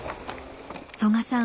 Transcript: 曽我さん